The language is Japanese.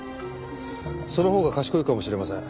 そのほうが賢いかもしれません。